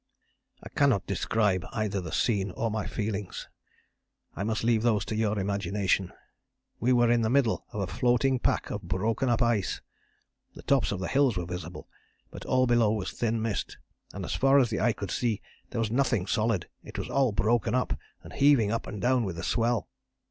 "I cannot describe either the scene or my feelings. I must leave those to your imagination. We were in the middle of a floating pack of broken up ice. The tops of the hills were visible, but all below was thin mist and as far as the eye could see there was nothing solid; it was all broken up, and heaving up and down with the swell.